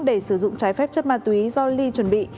để sử dụng trái phép chất ma túy do ly chuẩn bị